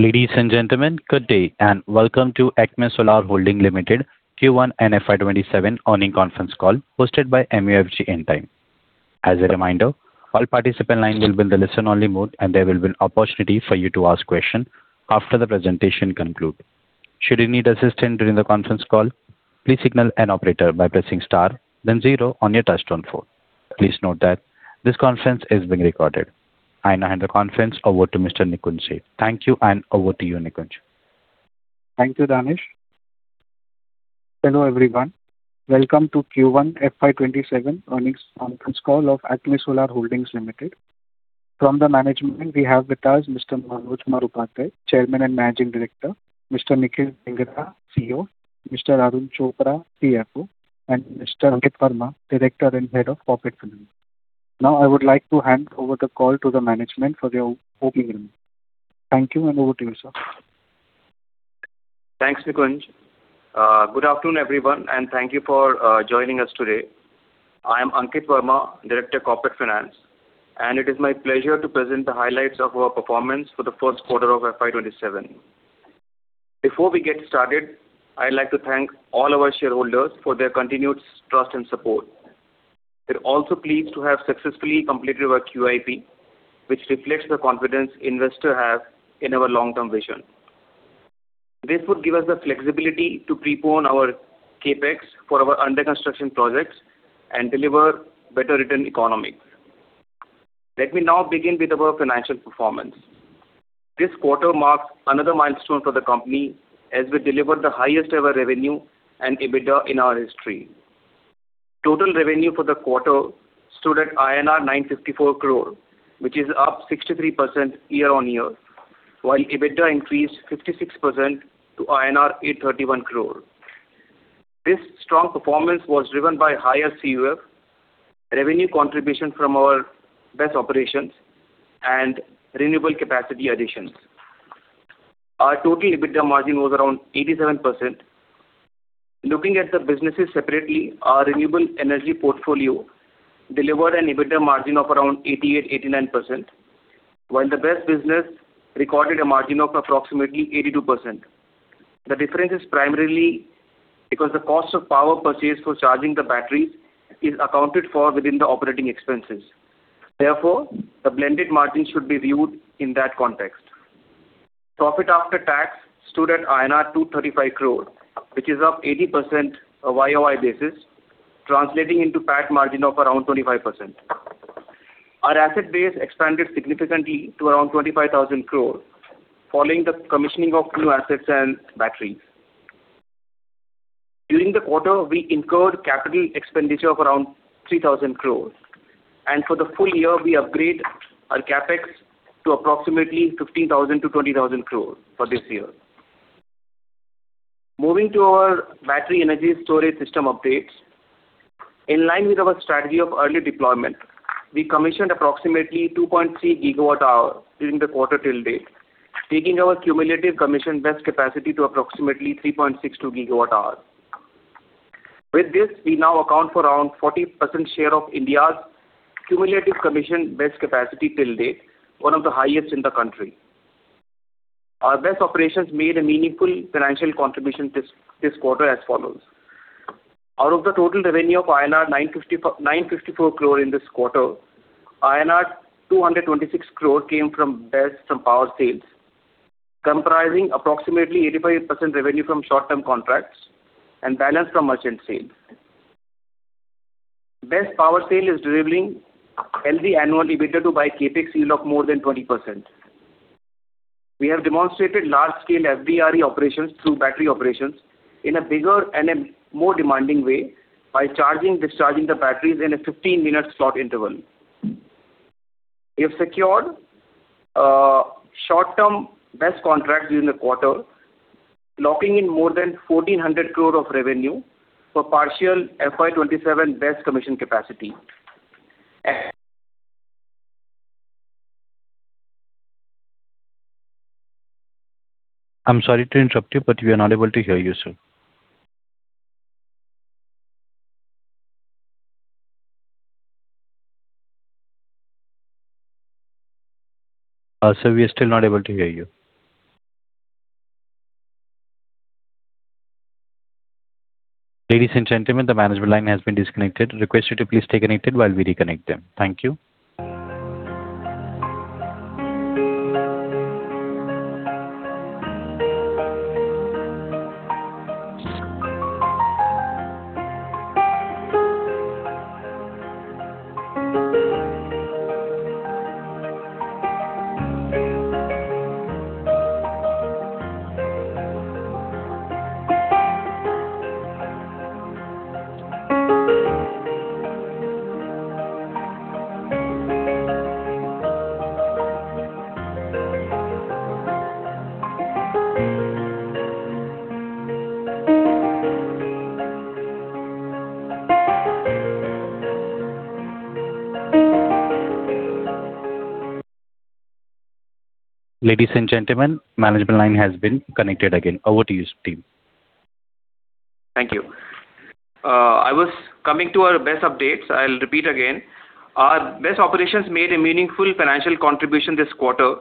Ladies and gentlemen, good day and welcome to ACME Solar Holdings Limited Q1 and FY 2027 earnings conference call hosted by MUFG. As a reminder, all participant lines will be in listen only mode, and there will be opportunity for you to ask questions after the presentation concludes. Should you need assistance during the conference call, please signal an operator by pressing star then zero on your touchtone phone. Please note that this conference is being recorded. I now hand the conference over to Mr. Nikunj Seth. Thank you, and over to you, Nikunj. Thank you, Danish. Hello everyone. Welcome to Q1 FY 2027 earnings conference call of ACME Solar Holdings Limited. From the management, we have with us Mr. Manoj Upadhyay, Chairman and Managing Director, Mr. Nikhil Dhingra, CEO, Mr. Arun Chopra, CFO, and Mr. Ankit Verma, Director and Head of Corporate Finance. Now, I would like to hand over the call to the management for their opening remarks. Thank you, and over to you, sir. Thanks, Nikunj. Good afternoon, everyone, and thank you for joining us today. I am Ankit Verma, Director, Corporate Finance, and it is my pleasure to present the highlights of our performance for the first quarter of FY 2027. Before we get started, I'd like to thank all our shareholders for their continued trust and support. We're also pleased to have successfully completed our QIP, which reflects the confidence investors have in our long-term vision. This would give us the flexibility to prepone our CapEx for our under-construction projects and deliver better return economics. Let me now begin with our financial performance. This quarter marks another milestone for the company as we delivered the highest-ever revenue and EBITDA in our history. Total revenue for the quarter stood at INR 954 crores, which is up 63% year-on-year, while EBITDA increased 56% to INR 831 crores. This strong performance was driven by higher CUF, revenue contribution from our BESS operations, and renewable capacity additions. Our total EBITDA margin was around 87%. Looking at the business severity, our renewable energy portfolio, deliver an EBITDA margin of around 88%, 89%, while the BESS business recorded a margin of approximately 82%. The difference is primarily because the cost of power purchased for charging the batteries is accounted for within the operating expenses. Therefore, the blended margin should be viewed in that context. Profit after tax stood at INR 235 crores, which is up 80% on a YoY basis, translating into PAT margin of around 25%. Our asset base expanded significantly to around 25,000 crores, following the commissioning of new assets and batteries. During the quarter, we incurred capital expenditure of around 3,000 crore, and for the full year, we upgrade our CapEx to approximately 15,000 crore-20,000 crore for this year. Moving to our Battery Energy Storage System updates. In line with our strategy of early deployment, we commissioned approximately 2.3 GWh during the quarter till date, taking our cumulative commissioned BESS capacity to approximately 3.62 GWh. With this, we now account for around 40% share of India's cumulative commissioned BESS capacity till date, one of the highest in the country. Our BESS operations made a meaningful financial contribution this quarter as follows. Out of the total revenue of INR 954 crore in this quarter, INR 226 crore came from BESS from power sales, comprising approximately 85% revenue from short-term contracts and balance from merchant sales. BESS power sale is delivering healthy annual EBITDA to CapEx yield of more than 20%. We have demonstrated large-scale FDRE operations through battery operations in a bigger and a more demanding way by charging, discharging the batteries in a 15-minute slot interval. We have secured short-term BESS contracts during the quarter, locking in more than 1,400 crore of revenue for partial FY 2027 BESS commission capacity. I'm sorry to interrupt you, we are unable to hear you, sir. Sir, we are still not able to hear you. Ladies and gentlemen, the management line has been disconnected. Request you to please stay connected while we reconnect them. Thank you. Ladies and gentlemen, management line has been connected again. Over to you, team. Thank you. Coming to our BESS updates, I'll repeat again. Our BESS operations made a meaningful financial contribution this quarter.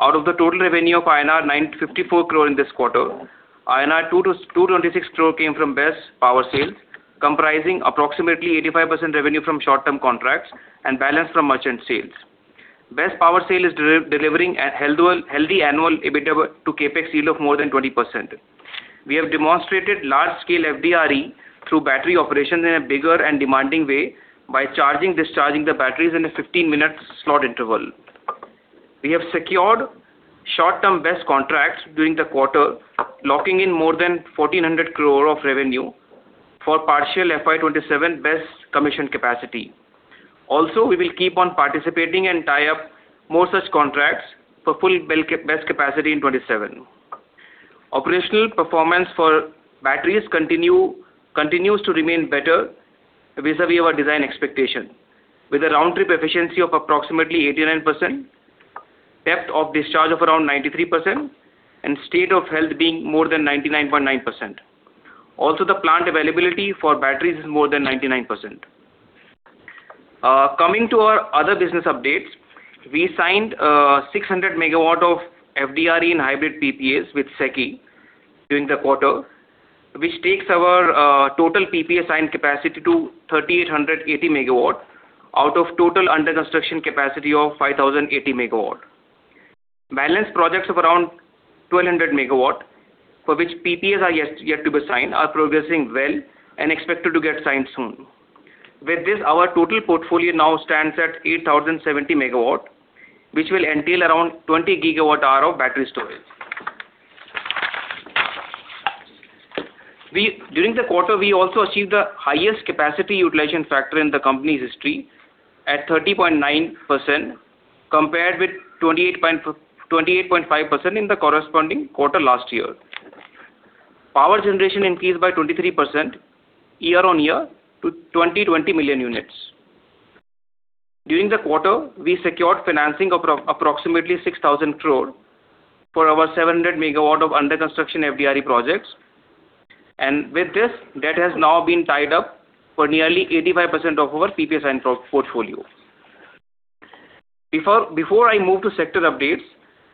Out of the total revenue of INR 954 crore in this quarter, INR 226 crore came from BESS power sales, comprising approximately 85% revenue from short-term contracts and balance from merchant sales. BESS power sale is delivering a healthy annual EBITDA to CapEx yield of more than 20%. We have demonstrated large-scale FDRE through battery operations in a bigger and demanding way by charging, discharging the batteries in a 15-minute slot interval. We have secured short-term BESS contracts during the quarter, locking in more than 1,400 crore of revenue for partial FY 2027 BESS commission capacity. Also, we will keep on participating and tie up more such contracts for full BESS capacity in 2027. Operational performance for batteries continues to remain better vis-à-vis our design expectation. With a round trip efficiency of approximately 89%, depth of discharge of around 93%, and state of health being more than 99.9%. Also, the plant availability for batteries is more than 99%. Coming to our other business updates. We signed 600 MW of FDRE and hybrid PPAs with SECI during the quarter, which takes our total PPA signed capacity to 3,880 MW, out of total under construction capacity of 5,080 MW. Balance projects of around 1,200 MW, for which PPAs are yet to be signed, are progressing well and expected to get signed soon. With this, our total portfolio now stands at 8,070 MW, which will entail around 20 GWh of battery storage. During the quarter, we also achieved the highest capacity utilization factor in the company's history at 30.9%, compared with 28.5% in the corresponding quarter last year. Power generation increased by 23% year-on-year to 2,020 million units. During the quarter, we secured financing of approximately 6,000 crore for our 700 MW of under construction FDRE projects. With this, debt has now been tied up for nearly 85% of our PPA signed portfolio. Before I move to sector updates,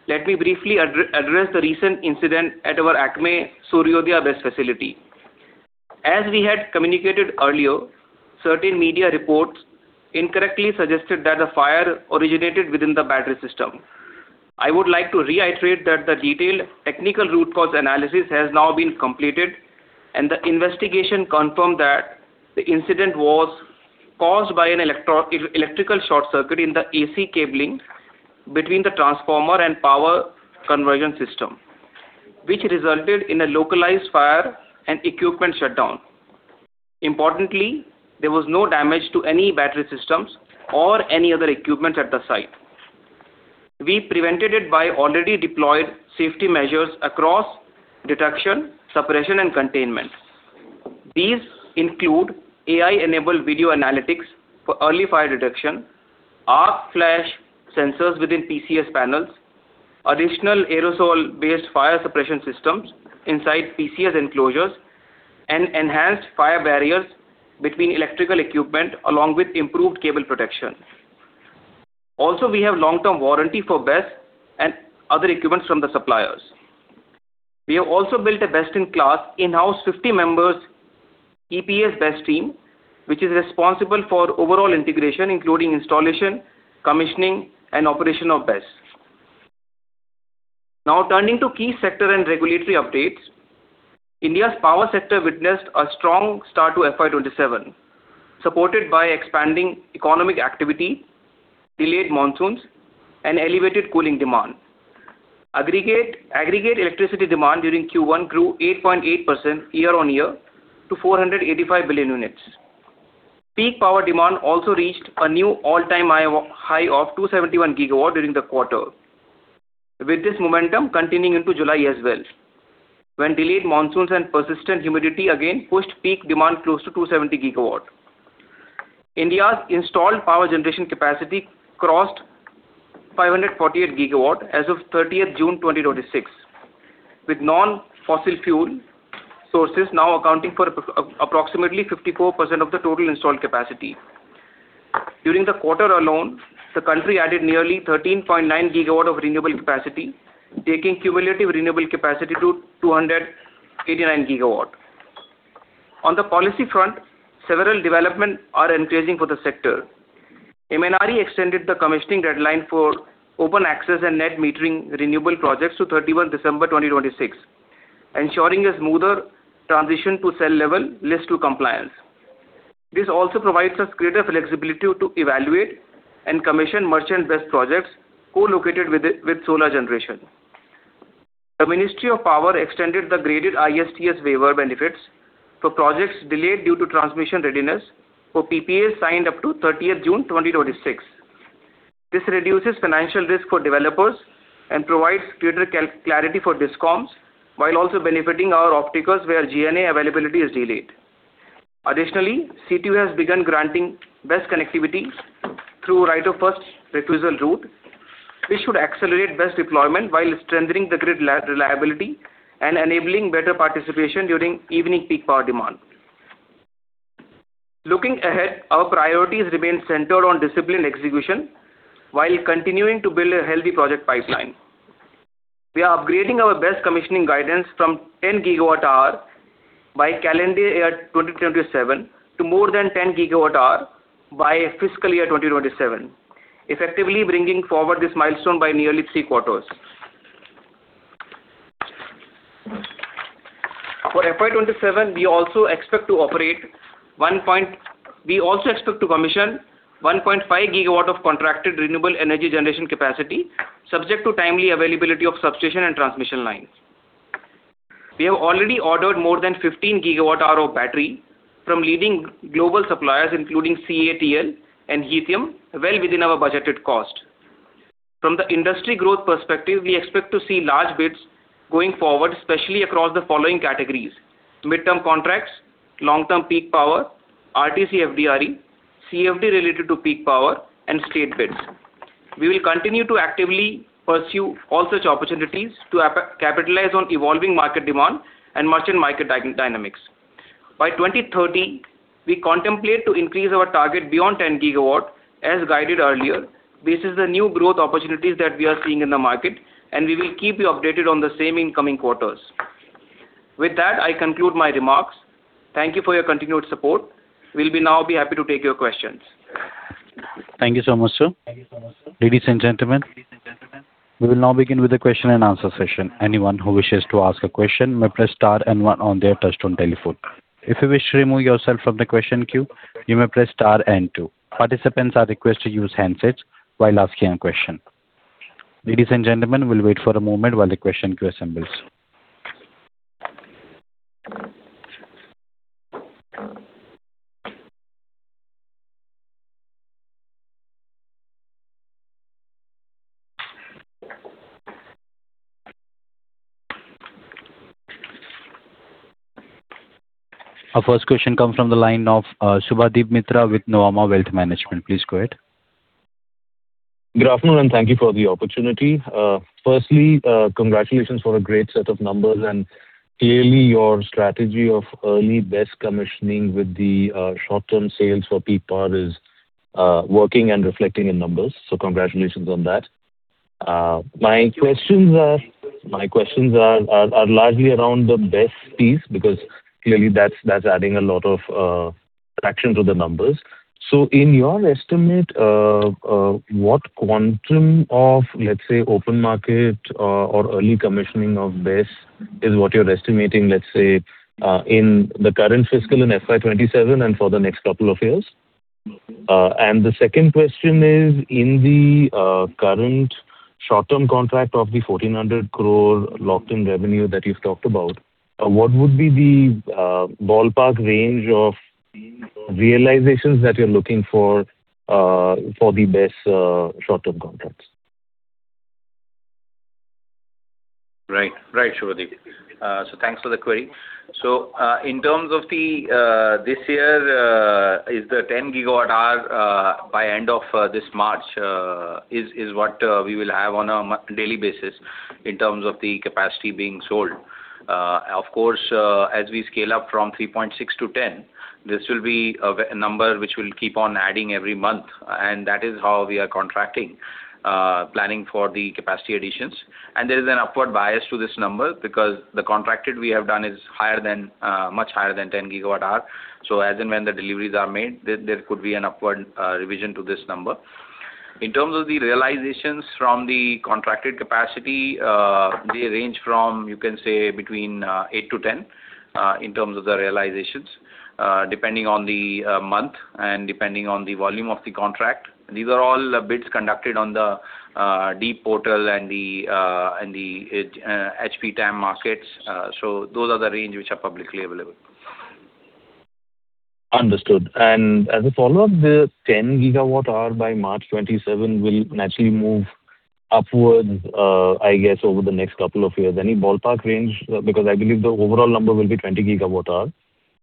let me briefly address the recent incident at our ACME Suryodaya BESS facility. As we had communicated earlier, certain media reports incorrectly suggested that the fire originated within the battery system. I would like to reiterate that the detailed technical root cause analysis has now been completed, and the investigation confirmed that the incident was caused by an electrical short circuit in the AC cabling between the transformer and power conversion system, which resulted in a localized fire and equipment shutdown. Importantly, there was no damage to any battery systems or any other equipment at the site. We prevented it by already deployed safety measures across detection, suppression, and containment. These include AI-enabled video analytics for early fire detection, arc flash sensors within PCS panels, additional aerosol-based fire suppression systems inside PCS enclosures, and enhanced fire barriers between electrical equipment, along with improved cable protection. Also, we have long-term warranty for BESS and other equipment from the suppliers. We have also built a best-in-class in-house 50 members EPS BESS team, which is responsible for overall integration, including installation, commissioning, and operation of BESS. Turning to key sector and regulatory updates. India's power sector witnessed a strong start to FY 2027, supported by expanding economic activity, delayed monsoons, and elevated cooling demand. Aggregate electricity demand during Q1 grew 8.8% year-on-year to 485 billion units. Peak power demand also reached a new all-time high of 271 GW during the quarter. With this momentum continuing into July as well, when delayed monsoons and persistent humidity again pushed peak demand close to 270 GW. India's installed power generation capacity crossed 548 GW as of 30th June 2026, with non-fossil fuel sources now accounting for approximately 54% of the total installed capacity. During the quarter alone, the country added nearly 13.9 GW of renewable capacity, taking cumulative renewable capacity to 289 GW. On the policy front, several development are increasing for the sector. MNRE extended the commissioning deadline for open access and net metering renewable projects to 31 December 2026, ensuring a smoother transition to cell-level ALMM compliance. This also provides us greater flexibility to evaluate and commission merchant BESS projects co-located with solar generation. The Ministry of Power extended the graded ISTS waiver benefits for projects delayed due to transmission readiness for PPAs signed up to 30th June 2026. This reduces financial risk for developers and provides greater clarity for DISCOMs, while also benefiting our opticals where GNA availability is delayed. Additionally, CTU has begun granting BESS connectivity through right of first refusal route, which should accelerate BESS deployment while strengthening the grid reliability and enabling better participation during evening peak power demand. Looking ahead, our priorities remain centered on disciplined execution while continuing to build a healthy project pipeline. We are upgrading our BESS commissioning guidance from 10 GWh by calendar year 2027 to more than 10 GWh by FY 2027, effectively bringing forward this milestone by nearly three quarters. For FY 2027, we also expect to commission 1.5 GW of contracted renewable energy generation capacity, subject to timely availability of substation and transmission lines. We have already ordered more than 15 GWhof battery from leading global suppliers, including CATL and Lithium Werks, well within our budgeted cost. From the industry growth perspective, we expect to see large bids going forward, especially across the following categories: midterm contracts, long-term peak power, RTC/FDRE, CFD related to peak power, and state bids. We will continue to actively pursue all such opportunities to capitalize on evolving market demand and merchant market dynamics. By 2030, we contemplate to increase our target beyond 10 gigawatt as guided earlier. This is the new growth opportunities that we are seeing in the market, and we will keep you updated on the same in coming quarters. With that, I conclude my remarks. Thank you for your continued support. We will now be happy to take your questions. Thank you so much, sir. Ladies and gentlemen, we will now begin with the question and answer session. Anyone who wishes to ask a question may press star and one on their touchtone telephone. If you wish to remove yourself from the question queue, you may press star and two. Participants are requested to use handsets while asking a question. Ladies and gentlemen, we will wait for a moment while the question queue assembles. Our first question comes from the line of Subhadip Mitra with Nuvama Wealth Management. Please go ahead. Good afternoon, thank you for the opportunity. Firstly, congratulations for a great set of numbers, and clearly, your strategy of early BESS commissioning with the short-term sales for peak power is working and reflecting in numbers. Congratulations on that. My questions are largely around the BESS piece, because clearly that's adding a lot of traction to the numbers. In your estimate, what quantum of, let's say, open market or early commissioning of BESS is what you're estimating, let's say, in the current fiscal in FY 2027 and for the next couple of years? The second question is, in the current short-term contract of the 1,400 crore locked-in revenue that you've talked about, what would be the ballpark range of realizations that you're looking for the BESS short-term contracts? Right, Subhadip. Thanks for the query. In terms of this year, is the 10 GWh by end of this March, is what we will have on a daily basis in terms of the capacity being sold. Of course, as we scale up from 3.6 to 10, this will be a number which we'll keep on adding every month, and that is how we are contracting, planning for the capacity additions. There is an upward bias to this number because the contracted we have done is much higher than 10 GWh. As and when the deliveries are made, there could be an upward revision to this number. In terms of the realizations from the contracted capacity, they range from, you can say, between 8-10, in terms of the realizations, depending on the month and depending on the volume of the contract. These are all bids conducted on the DEEP portal and the HP-TAM markets. Those are the range which are publicly available. Understood. As a follow-up, the 10 GWh by March 2027 will naturally move upwards, I guess, over the next couple of years. Any ballpark range? Because I believe the overall number will be 20 GWh.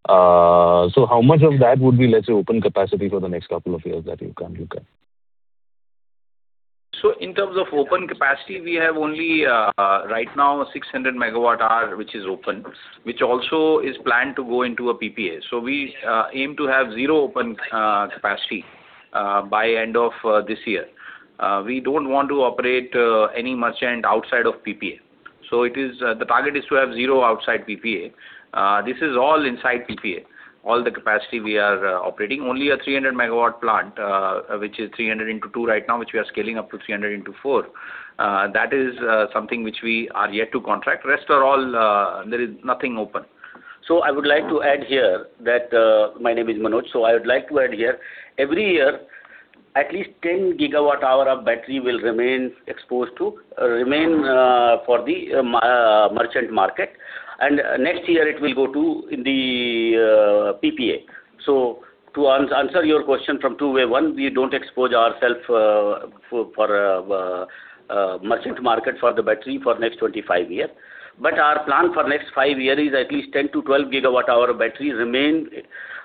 How much of that would be, let's say, open capacity for the next couple of years that you can look at? In terms of open capacity, we have only right now 600 MWh, which is open, which also is planned to go into a PPA. We aim to have zero open capacity by end of this year. We don't want to operate any merchant outside of PPA. The target is to have zero outside PPA. This is all inside PPA, all the capacity we are operating. Only a 300 MW plant, which is 300 into two right now, which we are scaling up to 300 into four. That is something which we are yet to contract. Rest are all, there is nothing open. I would like to add here that. My name is Manoj. I would like to add here, every year, at least 10 GWh of battery will remain for the merchant market, and next year it will go to the PPA. To answer your question from two way, one, we don't expose ourself for merchant market for the battery for next 25 year. Our plan for next five year is at least 10 to 12 GWh of battery remain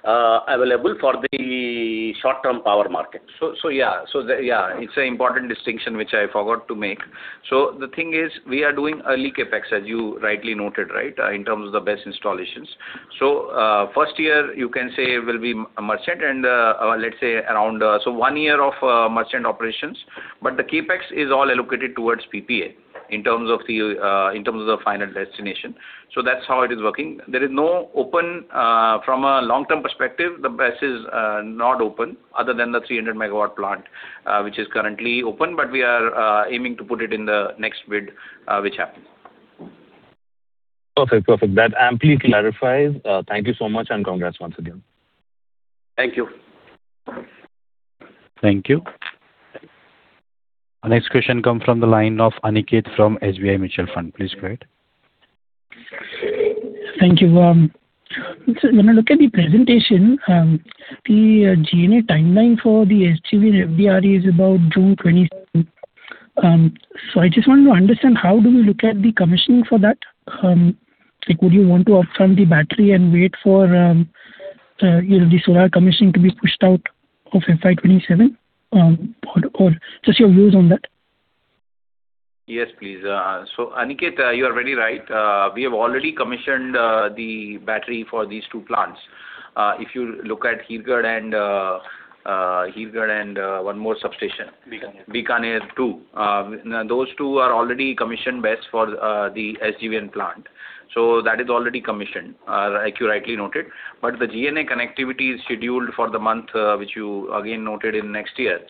available for the short-term power market. Yeah. It's an important distinction which I forgot to make. The thing is, we are doing early CapEx, as you rightly noted, right, in terms of the BESS installations. First year you can say will be a merchant, and let's say around one year of merchant operations, but the CapEx is all allocated towards PPA in terms of the final destination. From a long-term perspective, the BESS is not open other than the 300 MW plant, which is currently open, but we are aiming to put it in the next bid which happens. Perfect. That amply clarifies. Thank you so much, and congrats once again. Thank you. Thank you. Our next question comes from the line of Aniket from SBI Mutual Fund. Please go ahead. Thank you. When I look at the presentation, the GNA timeline for the SJVN and FDRE is about June 2026. I just wanted to understand, how do we look at the commissioning for that? Would you want to upfront the battery and wait for the solar commissioning to be pushed out of FY 2027? Or just your views on that. Yes, please. Aniket, you are very right. We have already commissioned the battery for these two plants. If you look at Hirapur and one more substation. Bikaner. Bikaner too. Those two are already commissioned BESS for the SJVN plant. That is already commissioned, like you rightly noted. The GNA connectivity is scheduled for the month, which you again noted in next year.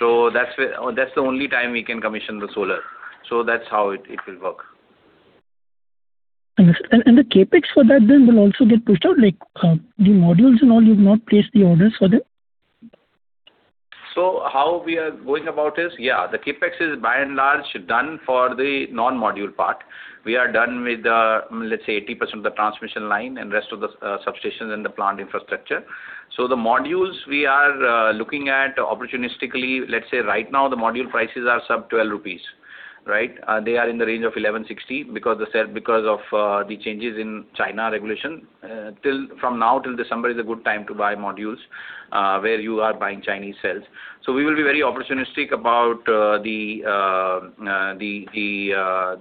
That's the only time we can commission the solar. That's how it will work. Understood. The CapEx for that then will also get pushed out, like, the modules and all, you've not placed the orders for them? How we are going about is, yeah, the CapEx is by and large done for the non-module part. We are done with, let's say, 80% of the transmission line and rest of the substations and the plant infrastructure. The modules we are looking at opportunistically. Let's say right now, the module prices are sub 12 rupees. Right? They are in the range of 11.60 because of the changes in China regulation. From now till December is a good time to buy modules, where you are buying Chinese cells. We will be very opportunistic about the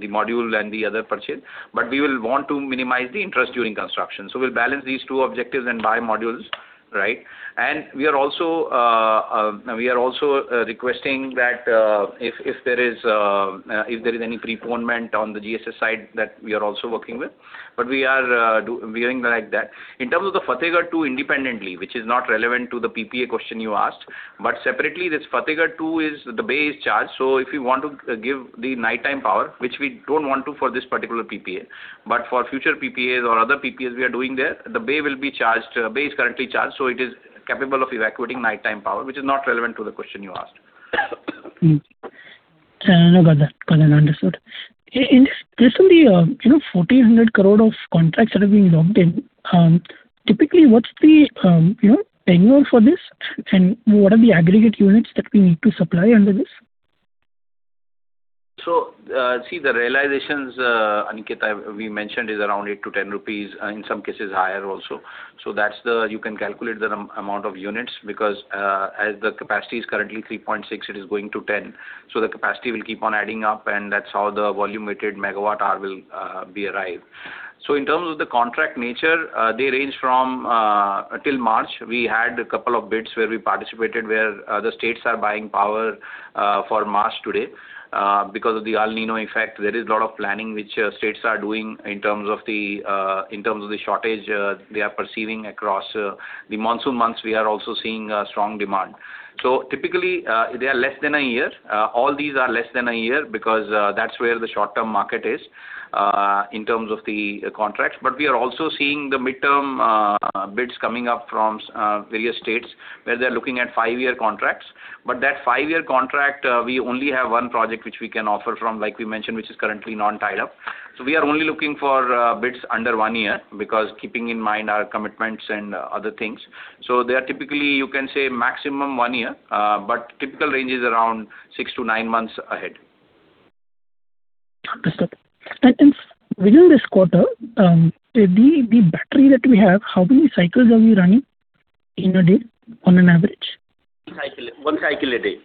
module and the other purchase, but we will want to minimize the interest during construction. We'll balance these two objectives and buy modules. Right? We are also requesting that if there is any postponement on the GSS side that we are also working with. We are viewing like that. In terms of the Fatehgarh 2 independently, which is not relevant to the PPA question you asked, but separately, this Fatehgarh 2, the bay is charged. If we want to give the nighttime power, which we don't want to for this particular PPA, but for future PPAs or other PPAs we are doing there, the bay is currently charged. It is capable of evacuating nighttime power, which is not relevant to the question you asked. No, got that. Got that. Understood. In this, there's only 1,400 crore of contracts that have been locked in. Typically, what's the tenure for this? What are the aggregate units that we need to supply under this? See, the realizations, Aniket, we mentioned is around 8-10 rupees, in some cases higher also. You can calculate the amount of units because as the capacity is currently 3.6, it is going to 10. The capacity will keep on adding up, and that's how the volume weighted megawatt hour will be arrived. In terms of the contract nature, they range from, till March, we had a couple of bids where we participated where the states are buying power for March today. Because of the El Niño effect, there is a lot of planning which states are doing in terms of the shortage they are perceiving across the monsoon months. We are also seeing a strong demand. Typically, they are less than a year. All these are less than a year because, that's where the short-term market is, in terms of the contracts. We are also seeing the midterm bids coming up from various states where they're looking at five-year contracts. That five-year contract, we only have one project which we can offer from, like we mentioned, which is currently non-tied up. We are only looking for bids under one year because keeping in mind our commitments and other things. They are typically, you can say maximum one year. Typical range is around six to nine months ahead. Understood. Within this quarter, the battery that we have, how many cycles are we running in a day on an average? One cycle a day.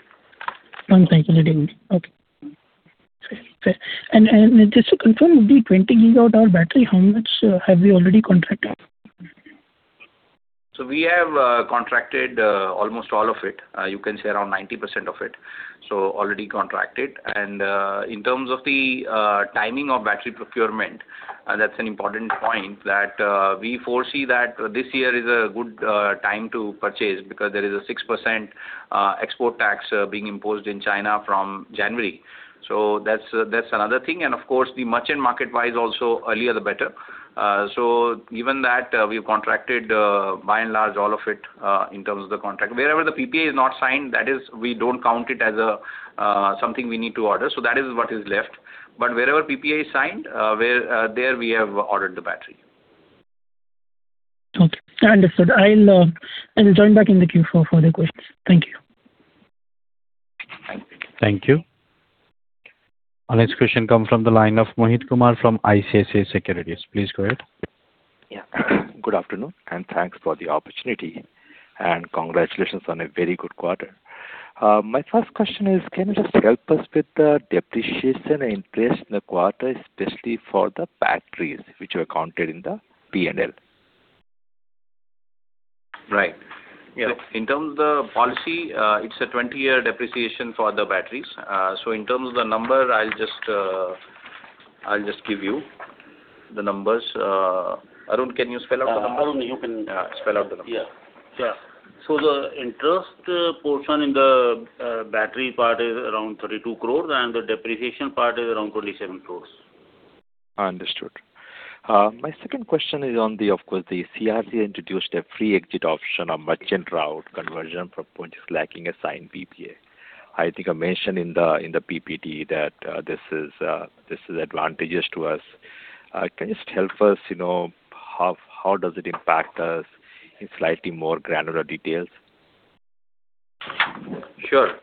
One cycle a day only. Okay. Fair. Just to confirm, the 20-GWh battery, how much have we already contracted? We have contracted almost all of it. You can say around 90% of it. Already contracted. In terms of the timing of battery procurement, that's an important point that we foresee that this year is a good time to purchase because there is a 6% export tax being imposed in China from January. That's another thing. Of course, the merchant market-wise also, earlier the better. Given that, we've contracted, by and large, all of it, in terms of the contract. Wherever the PPA is not signed, that is, we don't count it as something we need to order. That is what is left. But wherever PPA is signed, there we have ordered the battery. Okay, understood. I'll join back in the queue for further questions. Thank you. Thank you. Thank you. Our next question come from the line of Mohit Kumar from ICICI Securities. Please go ahead. Yeah. Good afternoon, and thanks for the opportunity, and congratulations on a very good quarter. My first question is, can you just help us with the depreciation in place in the quarter, especially for the batteries which were counted in the P&L? Right. Yeah. In terms of the policy, it's a 20-year depreciation for the batteries. In terms of the number, I'll just give you the numbers. Arun, can you spell out the numbers? Arun, you can spell out the numbers. Yeah. The interest portion in the battery part is around 32 crores and the depreciation part is around 27 crores. Understood. My second question is on the, of course, the CERC introduced a free exit option on merchant route conversion for projects lacking a signed PPA. I think I mentioned in the PPT that this is advantageous to us. Can you just help us, how does it impact us in slightly more granular details? Sure.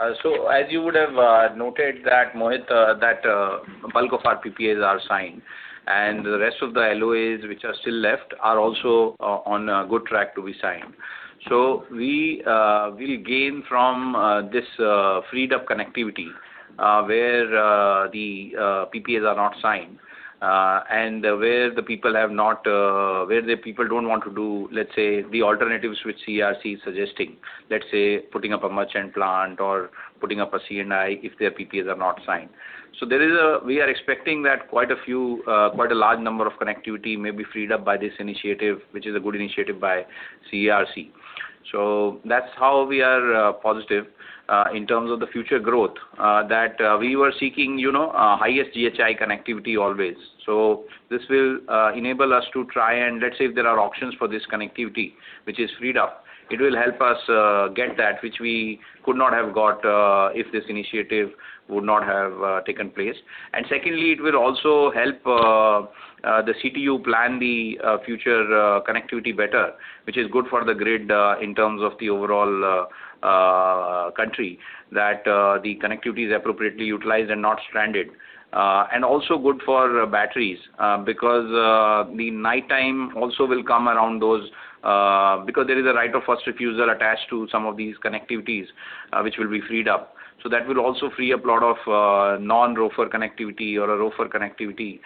As you would have noted, Mohit, that bulk of our PPAs are signed, and the rest of the LOAs which are still left are also on good track to be signed. We'll gain from this freed-up connectivity, where the PPAs are not signed, and where the people don't want to do, let's say, the alternatives which CERC is suggesting. Let's say, putting up a merchant plant or putting up a C&I if their PPAs are not signed. We are expecting that quite a large number of connectivity may be freed up by this initiative, which is a good initiative by CERC. That's how we are positive in terms of the future growth, that we were seeking highest GHI connectivity always. This will enable us to try and let's say, if there are options for this connectivity which is freed up, it will help us get that which we could not have got if this initiative would not have taken place. Secondly, it will also help the CTU plan the future connectivity better, which is good for the grid in terms of the overall country, that the connectivity is appropriately utilized and not stranded. Also good for batteries because the nighttime also will come around those. Because there is a right of first refusal attached to some of these connectivities which will be freed up. That will also free up lot of non-ROFR connectivity or a ROFR connectivity,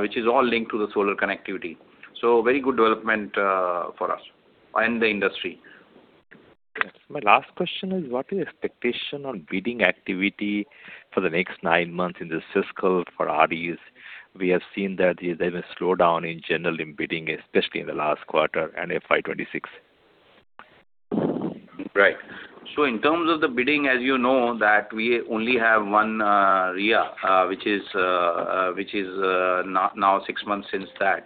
which is all linked to the solar connectivity. Very good development for us and the industry. My last question is: What is the expectation on bidding activity for the next nine months in this fiscal for REs? We have seen that there's been a slowdown in general in bidding, especially in the last quarter and FY 2026. In terms of the bidding, as you know that we only have one REIA, which is now 6 months since that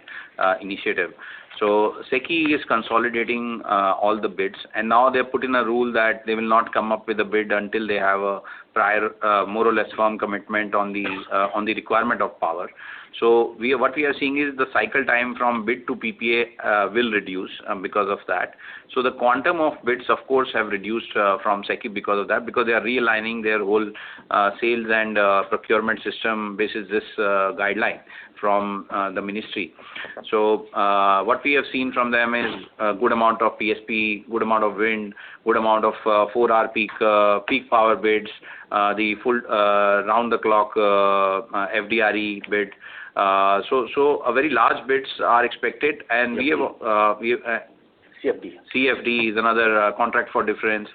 initiative. SECI is consolidating all the bids, and now they've put in a rule that they will not come up with a bid until they have a prior, more or less firm commitment on the requirement of power. What we are seeing is the cycle time from bid to PPA will reduce because of that. The quantum of bids, of course, have reduced from SECI because of that, because they are realigning their whole sales and procurement system basis this guideline from the ministry. Okay. What we have seen from them is a good amount of PSP, good amount of wind, good amount of four-hour peak power bids, the full round-the-clock FDRE bid. Very large bids are expected. CFD. CFD is another contract for difference.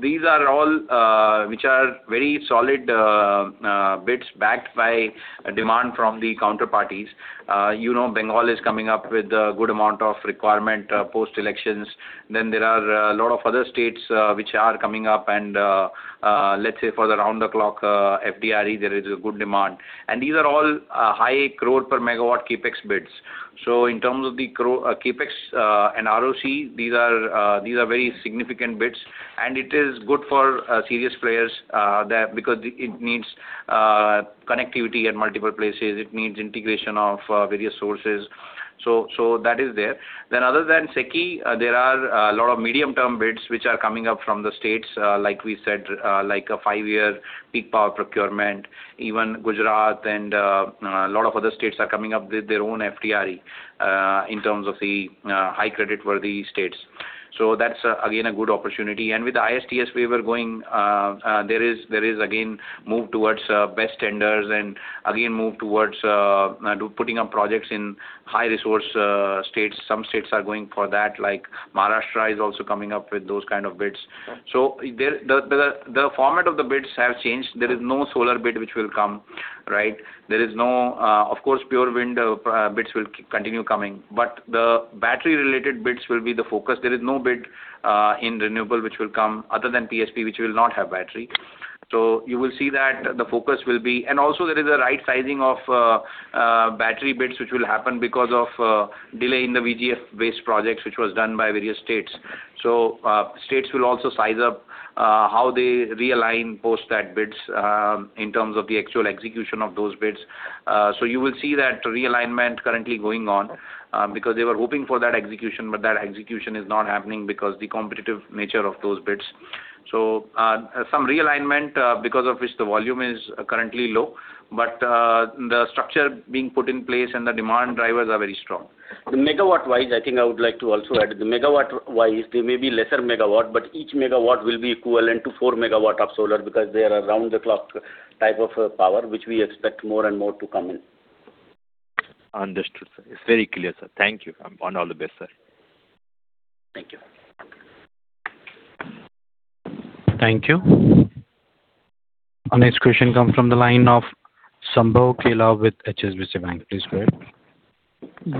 These are all which are very solid bids backed by demand from the counterparties. You know Bengal is coming up with a good amount of requirement post-elections. There are a lot of other states which are coming up and, let's say, for the round-the-clock FDRE, there is a good demand. These are all high crore per megawatt CapEx bids. In terms of the CapEx and RoCE, these are very significant bids, and it is good for serious players because it needs connectivity at multiple places. It needs integration of various sources. That is there. Other than SECI, there are a lot of medium-term bids which are coming up from the states, like we said, like a 5-year peak power procurement. Even Gujarat and a lot of other states are coming up with their own FDRE in terms of the high creditworthy states. That's, again, a good opportunity. With the ISTS waiver going, there is again move towards BESS tenders and again move towards putting up projects in high-resource states. Some states are going for that, like Maharashtra is also coming up with those kind of bids. Okay. The format of the bids have changed. There is no solar bid which will come, right? Of course, pure wind bids will continue coming. The battery-related bids will be the focus. There is no bid in renewable which will come other than PSP, which will not have battery. You will see that the focus will be. Also there is a right sizing of battery bids which will happen because of delay in the VGF-based projects which was done by various states. States will also size up how they realign post that bids in terms of the actual execution of those bids. You will see that realignment currently going on because they were hoping for that execution, but that execution is not happening because the competitive nature of those bids. Some realignment, because of which the volume is currently low, but the structure being put in place and the demand drivers are very strong. The megawatt wise, I think I would like to also add. The megawatt wise, they may be lesser megawatt, but each megawatt will be equivalent to 4 MW of solar because they are around-the-clock type of power, which we expect more and more to come in. Understood, sir. It's very clear, sir. Thank you. All the best, sir. Thank you. Thank you. Our next question comes from the line of Sambhav Kela with HSBC Bank. Please go ahead.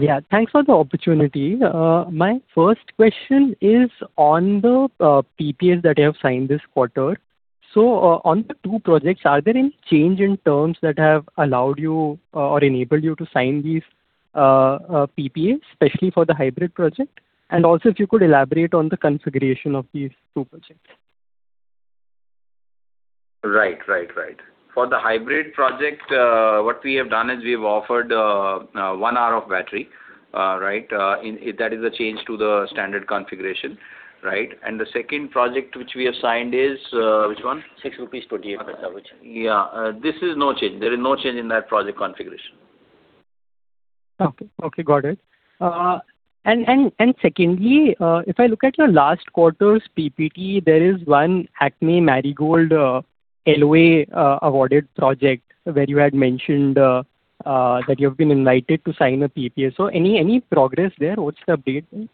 Yeah. Thanks for the opportunity. My first question is on the PPAs that you have signed this quarter. On the two projects, are there any change in terms that have allowed you or enabled you to sign these PPAs, especially for the hybrid project? Also if you could elaborate on the configuration of these two projects. Right. For the hybrid project, what we have done is we have offered one hour of battery. That is a change to the standard configuration. The second project which we have signed is, which one? 6 rupees per unit. Yeah. This is no change. There is no change in that project configuration. Okay. Got it. Secondly, if I look at your last quarter's PPT, there is one ACME Marigold LOA awarded project where you had mentioned that you have been invited to sign a PPA. Any progress there? What's the update there?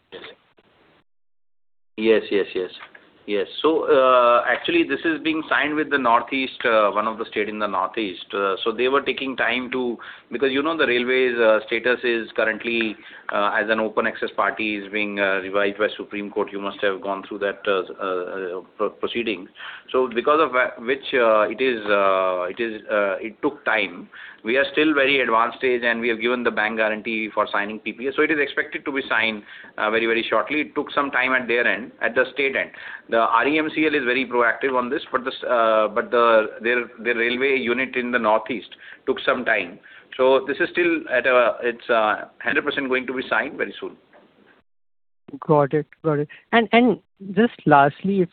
Yes. Actually this is being signed with one of the state in the Northeast. They were taking time because the railways status is currently as an open access party is being revived by Supreme Court. You must have gone through that proceedings. Because of which it took time. We are still very advanced stage, and we have given the bank guarantee for signing PPA. It is expected to be signed very shortly. It took some time at their end, at the state end. The REMCL is very proactive on this, but their railway unit in the Northeast took some time. This is still 100% going to be signed very soon. Got it. Just lastly,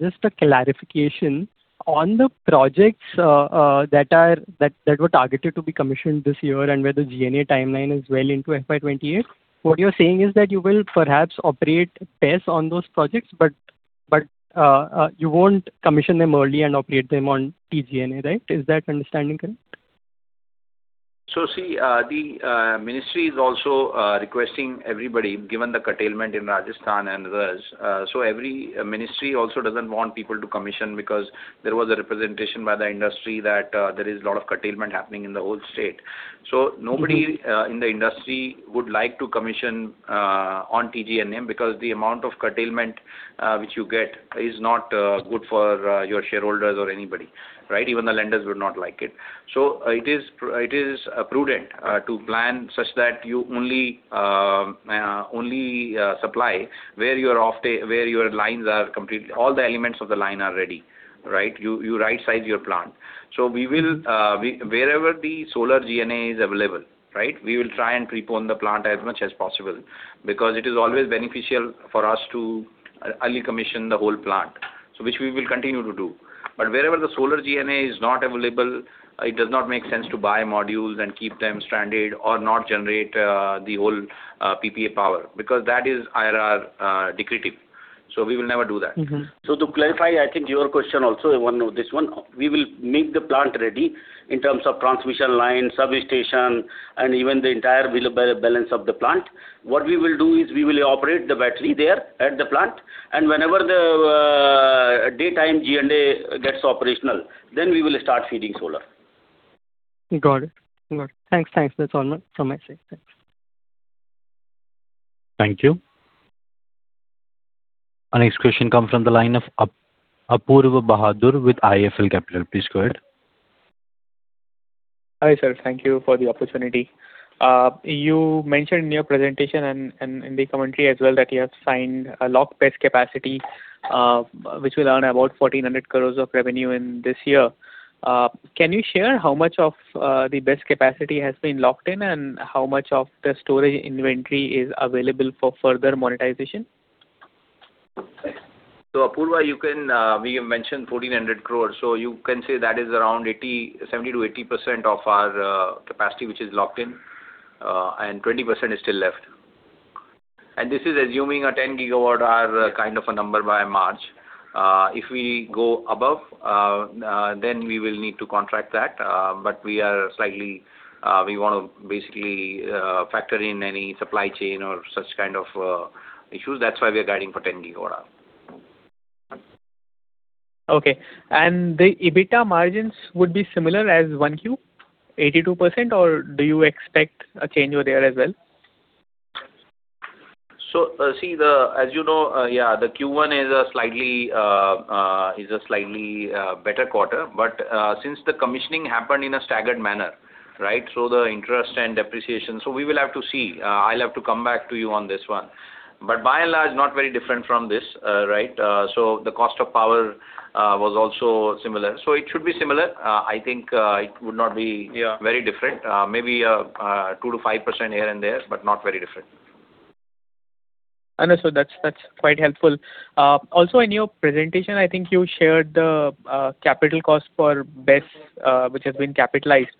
just a clarification. On the projects that were targeted to be commissioned this year and where the GNA timeline is well into FY 2028, what you're saying is that you will perhaps operate BESS on those projects, but you won't commission them early and operate them on T-GNA, right? Is that understanding correct? See, the Ministry is also requesting everybody, given the curtailment in Rajasthan and others. Every Ministry also doesn't want people to commission because there was a representation by the industry that there is a lot of curtailment happening in the whole state. Nobody in the industry would like to commission on T-GNA because the amount of curtailment which you get is not good for your shareholders or anybody. Even the lenders would not like it. It is prudent to plan such that you only supply where your lines are complete, all the elements of the line are ready. You right-size your plant. Wherever the solar GNA is available, we will try and prepone the plant as much as possible because it is always beneficial for us to early commission the whole plant. Which we will continue to do. Wherever the solar GNA is not available, it does not make sense to buy modules and keep them stranded or not generate the whole PPA power, because that is IRR detractive. We will never do that. To clarify, I think your question also, one on this one. We will make the plant ready in terms of transmission lines, substation, and even the entire balance of the plant. What we will do is we will operate the battery there at the plant, and whenever the daytime GNA gets operational, then we will start feeding solar. Got it. Thanks. That's all from my side. Thanks. Thank you. Our next question comes from the line of Apoorva Bahadur with IIFL Capital. Please go ahead. Hi, sir. Thank you for the opportunity. You mentioned in your presentation and in the commentary as well that you have signed a locked BESS capacity, which will earn about 1,400 crore of revenue in this year. Can you share how much of the BESS capacity has been locked in, and how much of the storage inventory is available for further monetization? Apoorva, we have mentioned 1,400 crore. You can say that is around 70%-80% of our capacity, which is locked in, and 20% is still left. This is assuming a 10 GWh kind of a number by March. If we go above, then we will need to contract that. We want to basically factor in any supply chain or such kind of issues. That's why we are guiding for 10 GWh. Okay. The EBITDA margins would be similar as 1Q, 82%, or do you expect a change over there as well? See, as you know, the Q1 is a slightly better quarter. Since the commissioning happened in a staggered manner. Right. The interest and depreciation, we will have to see. I'll have to come back to you on this one. By and large, not very different from this. Right. The cost of power was also similar. It should be similar. I think it would not be very different. Maybe 2%-5% here and there, but not very different. Understood. That's quite helpful. Also in your presentation, I think you shared the capital cost for BESS, which has been capitalized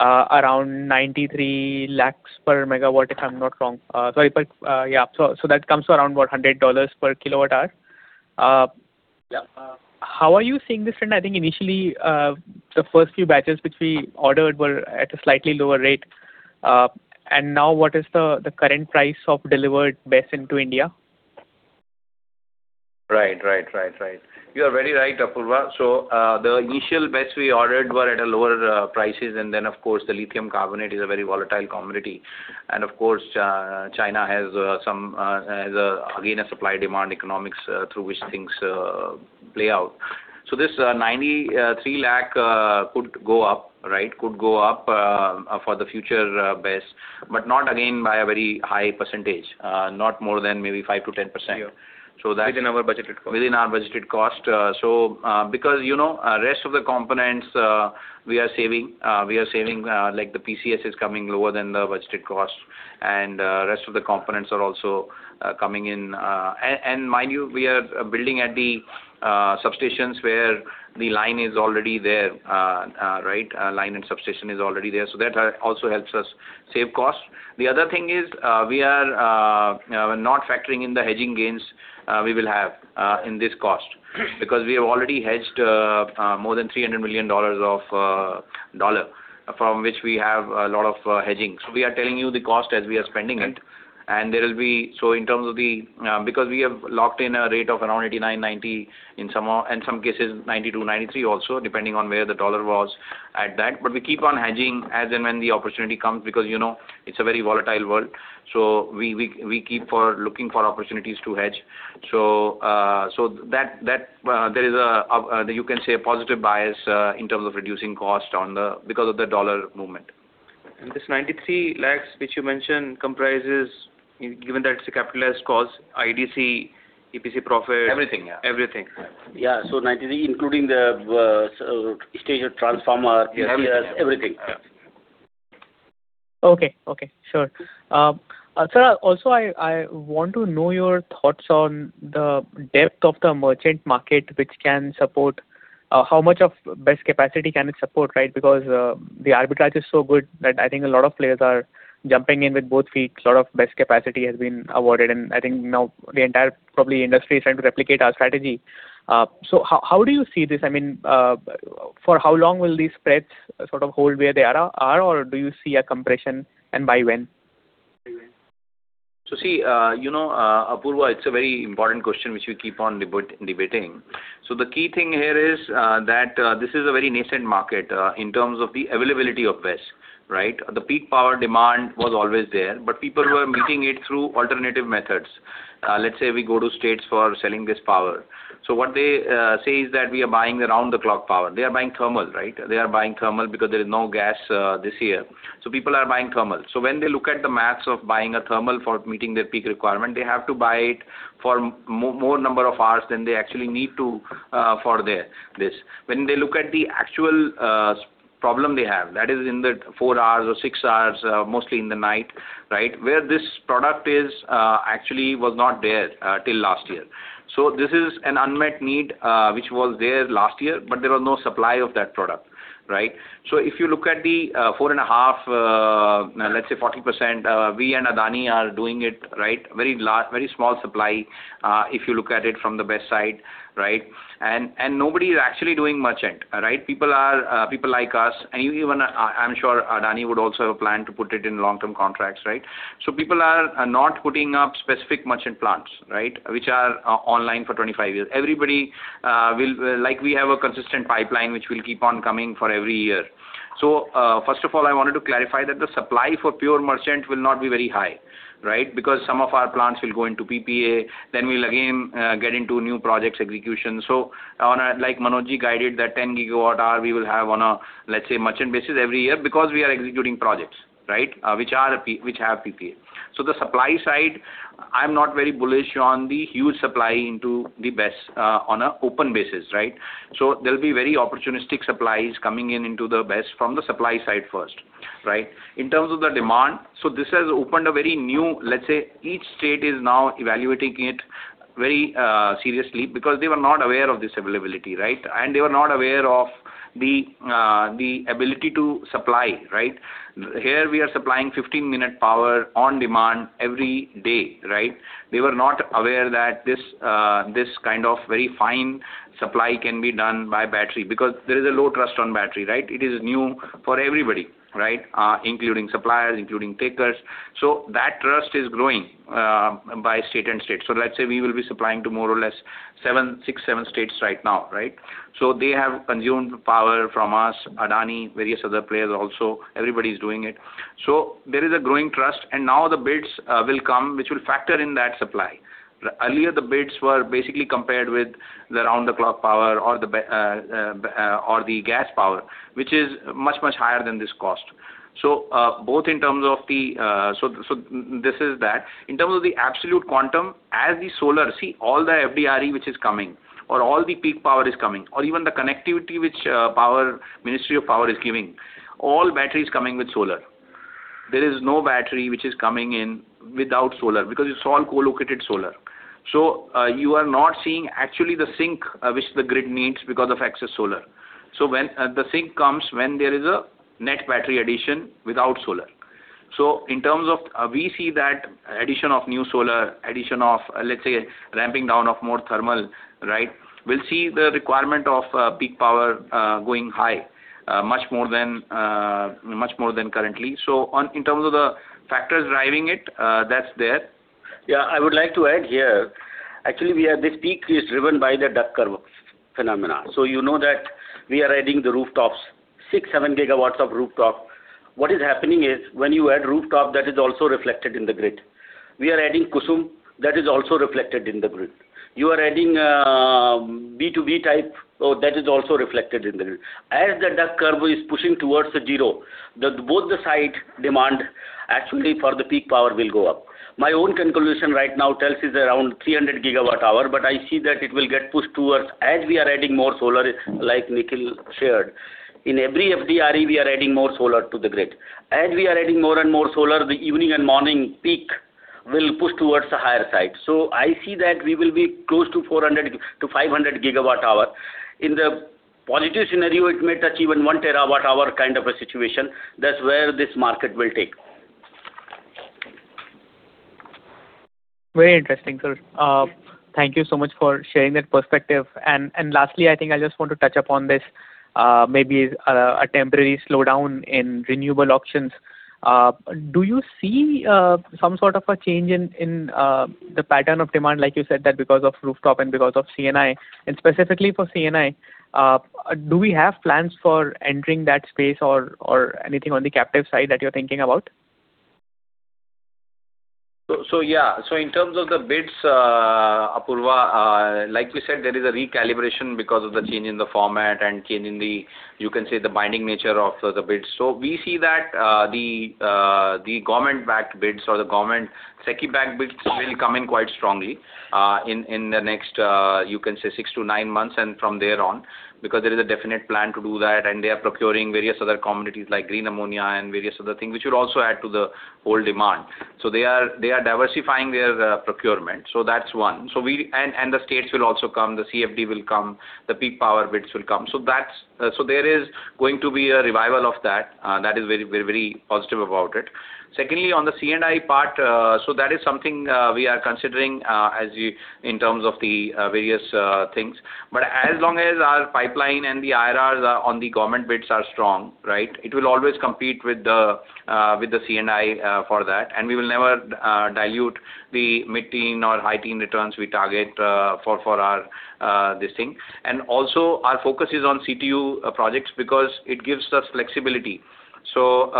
around 93 lakhs per megawatt, if I'm not wrong. Sorry. That comes to around $100 per kilowatt hour. Yeah. How are you seeing this trend? I think initially, the first few batches which we ordered were at a slightly lower rate. Now, what is the current price of delivered BESS into India? Right. You are very right, Apoorva. The initial BESS we ordered were at lower prices and then, of course, the lithium carbonate is a very volatile commodity. Of course, China has, again, a supply demand economics through which things play out. This 93 lakh could go up. Right? Could go up for the future BESS, but not again by a very high percentage. Not more than maybe 5%-10%. Yeah. That Within our budgeted cost. Because rest of the components, we are saving. We are saving, like the PCS is coming lower than the budgeted cost, and rest of the components are also coming in. Mind you, we are building at the substations where the line is already there. Right. A line and substation is already there. That also helps us save cost. The other thing is, we are not factoring in the hedging gains we will have in this cost. Because we have already hedged more than $300 million of dollar, from which we have a lot of hedging. We are telling you the cost as we are spending it. Right. There will be In terms of the Because we have locked in a rate of around 89, 90, and some cases, 92, 93 also, depending on where the dollar was at that. We keep on hedging as and when the opportunity comes because it's a very volatile world. We keep looking for opportunities to hedge. There is, you can say, a positive bias in terms of reducing cost because of the dollar movement. This 93 lakhs, which you mentioned comprises, given that it's a capitalized cost, IDC, EPC profit? Everything, yeah. Everything. Yeah. 93, including the station transformer, PCS, everything. Okay. Sure. Sir, also, I want to know your thoughts on the depth of the merchant market, which can support. How much of BESS capacity can it support, right? Because the arbitrage is so good that I think a lot of players are jumping in with both feet. A lot of BESS capacity has been awarded, and I think now the entire probably industry is trying to replicate our strategy. How do you see this? For how long will these spreads sort of hold where they are, or do you see a compression, and by when? See, Apoorva, it's a very important question which we keep on debating. The key thing here is that this is a very nascent market, in terms of the availability of BESS, right? The peak power demand was always there, but people were meeting it through alternative methods. Let's say we go to states for selling this power. What they say is that we are buying around the clock power. They are buying thermal, right? They are buying thermal because there is no gas this year. People are buying thermal. When they look at the math of buying a thermal for meeting their peak requirement, they have to buy it for more number of hours than they actually need to for this. When they look at the actual problem they have, that is in the four hours or six hours, mostly in the night, right, where this product actually was not there till last year. This is an unmet need, which was there last year, but there was no supply of that product. Right? If you look at the four and a half, let's say 40%, we and Adani are doing it. Right? Very small supply, if you look at it from the BESS side, right? And nobody is actually doing merchant. Right? People like us, and even I'm sure Adani would also plan to put it in long-term contracts, right? People are not putting up specific merchant plants, right, which are online for 25 years. Like we have a consistent pipeline, which will keep on coming for every year. First of all, I wanted to clarify that the supply for pure merchant will not be very high. Right? Because some of our plants will go into PPA. We'll again get into new projects execution. Like Manoj guided that 10 GWh we will have on a, let's say, merchant basis every year because we are executing projects, right, which have PPA. The supply side, I'm not very bullish on the huge supply into the BESS on an open basis, right? There'll be very opportunistic supplies coming in into the BESS from the supply side first. Right. In terms of the demand, this has opened a very new, let's say, each state is now evaluating it very seriously because they were not aware of this availability, right? And they were not aware of the ability to supply, right? Here we are supplying 15-minute power on demand every day, right? They were not aware that this kind of very fine supply can be done by battery because there is a low trust on battery, right? It is new for everybody, right? Including suppliers, including takers. That trust is growing state by state. Let's say we will be supplying to more or less six, seven states right now. Right? They have consumed power from us, Adani, various other players also. Everybody's doing it. There is a growing trust, and now the bids will come, which will factor in that supply. Earlier, the bids were basically compared with the round-the-clock power or the gas power, which is much, much higher than this cost. This is that. In terms of the absolute quantum, as all the FDRE which is coming, or all the peak power is coming, or even the connectivity which Ministry of Power is giving, all battery is coming with solar. There is no battery which is coming in without solar, because it's all co-located solar. You are not seeing actually the sink, which the grid needs because of excess solar. The sink comes when there is a net battery addition without solar. We see that addition of new solar, addition of, let's say, ramping down of more thermal. We'll see the requirement of peak power going high, much more than currently. In terms of the factors driving it, that's there. Yeah, I would like to add here. This peak is driven by the duck curve phenomena. You know that we are adding the rooftops, 6 GW, 7 GW of rooftop. What is happening is, when you add rooftop, that is also reflected in the grid. We are adding Kusum, that is also reflected in the grid. You are adding B2B type, that is also reflected in the grid. As the duck curve is pushing towards the zero, both the side demand actually for the peak power will go up. My own conclusion right now tells is around 300 GWh, but I see that it will get pushed towards as we are adding more solar, like Nikhil shared. In every FDRE, we are adding more solar to the grid. As we are adding more and more solar, the evening and morning peak will push towards the higher side. I see that we will be close to 400 GWh-500 GWh. In the positive scenario, it may touch even 1 TWh kind of a situation. That's where this market will take. Very interesting, sir. Thank you so much for sharing that perspective. Lastly, I think I just want to touch upon this, maybe a temporary slowdown in renewable auctions. Do you see some sort of a change in the pattern of demand, like you said, that because of rooftop and because of C&I? Specifically for C&I, do we have plans for entering that space or anything on the captive side that you're thinking about? In terms of the bids, Apoorva, like we said, there is a recalibration because of the change in the format and change in the, you can say, the binding nature of the bids. We see that the government-backed bids or the government SECI-backed bids will come in quite strongly in the next, you can say, six to nine months from there on, because there is a definite plan to do that, and they are procuring various other commodities like green ammonia and various other things, which will also add to the whole demand. They are diversifying their procurement. That's one. The states will also come, the CFD will come, the peak power bids will come. There is going to be a revival of that. That is very positive about it. Secondly, on the C&I part, that is something we are considering in terms of the various things. As long as our pipeline and the IRRs on the government bids are strong, it will always compete with the C&I for that, and we will never dilute the mid-teen or high-teen returns we target for this thing. Also, our focus is on CTU projects because it gives us flexibility. For